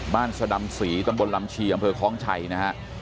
บ้านสดรรมศรีตำบลลำชีอำเภอคลองชัยนะฮะ